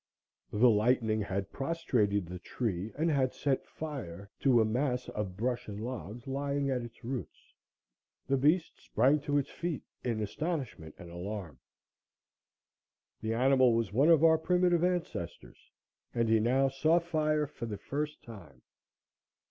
The lightning had prostrated the tree and had set fire to a mass of brush and logs lying at its roots. The beast sprang to its feet in astonishment and alarm. The animal was one of our primitive ancestors, and he now saw fire for the first time.